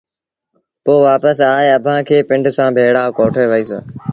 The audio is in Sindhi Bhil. پوء وآپس آئي اڀآنٚ کي پنڊ سآݩٚ ڀيڙآ ڪوٺي وهيٚس